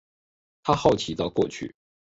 他好奇的过去